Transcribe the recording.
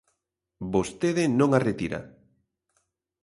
Vostede non a retira.